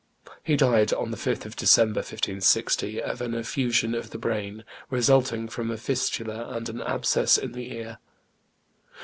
He died on the 5th of December, 1560, of an effusion on the brain, resulting from a fistula and an abscess in the ear.